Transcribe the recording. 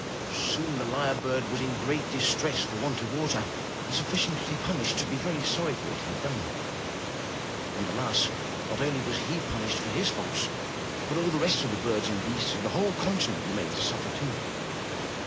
Soon the lyre bird was in great distress for want of water, and sufficiently punished to be very sorry for what he had done. And alas! not only was he pun ished for his fault, but all the rest of the birds and beasts on the whole continent were made to suffer, too.